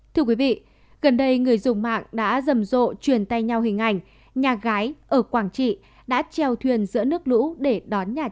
thưa quý vị gần đây người dùng mạng đã rầm rộ truyền tay nhau hình ảnh nhà gái ở quảng trị đã treo thuyền giữa nước lũ để đón nhà cửa